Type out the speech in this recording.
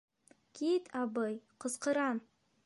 Кит, абый, ҡысҡырам!